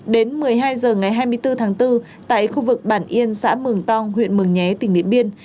đến một mươi hai h ngày hai mươi bốn tháng bốn tại khu vực bản yên xã mường tong huyện mường nhé tỉnh điện biên